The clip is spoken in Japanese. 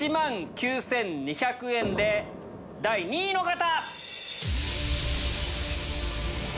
１万９２００円で第２位の方！